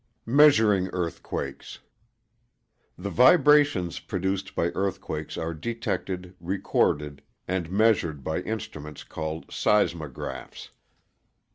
] Measuring Earthquakes The vibrations produced by earthquakes are detected, recorded, and measured by instruments called seismographs.